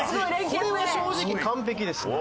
これは正直完璧ですね。